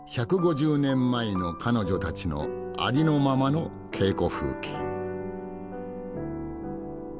１５０年前の彼女たちのありのままの稽古風景。